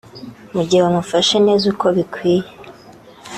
Mu gihe wamufashe neza uko bikwiye